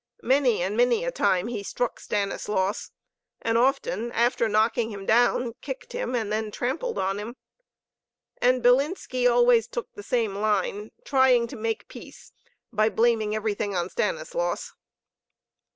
Many and many a time he struck Stanislaus; and often, after knocking him down, kicked him and then tramped on him. And Bilinski always took the same line, trying to make peace by blaming everything on Stanislaus.